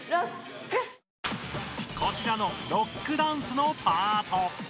こちらのロックダンスのパート。